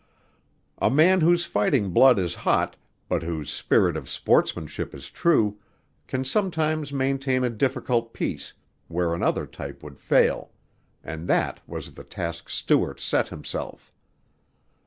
A man whose fighting blood is hot, but whose spirit of sportsmanship is true, can sometimes maintain a difficult peace where another type would fail, and that was the task Stuart set himself.